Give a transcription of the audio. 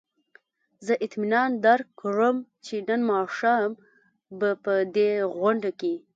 زه اطمینان درکړم چې نن ماښام به په دې غونډه کې.